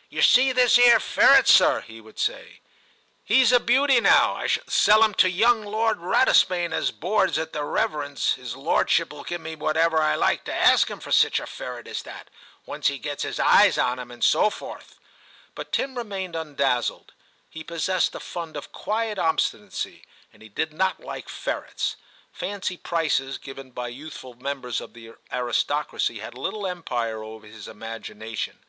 ' Yer see this 'ere ferret, sir, ' he would say ;* he w" a beauty now. I shall sell *im to young Lord Ratisbane as boards at the Rev. s ; V TIM 103 *is lordship '11 give me whatever I like to ask *im for sich a ferret as that, once he gets his eyes on *im/ and so forth ; but Tim remained undazzled. He possessed a fund of quiet obstinacy, and he did not like ferrets ; fancy prices given by youthful members of the aristocracy had little empire over his imagina tion.